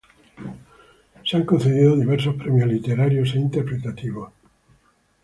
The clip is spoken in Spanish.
Se le han concedido diversos premios literarios e interpretativos.